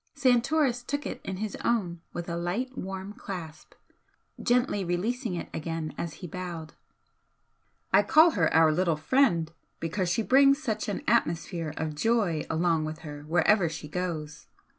Santoris took it in his own with a light, warm clasp gently releasing it again as he bowed. "I call her our little friend, because she brings such an atmosphere of joy along with her wherever she goes.